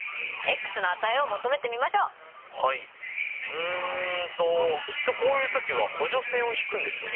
うんときっとこういう時は補助線を引くんですよね。